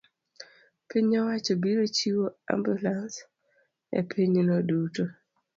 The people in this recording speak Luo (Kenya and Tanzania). piny owacho biro chiwo ambulans e pinyno duto.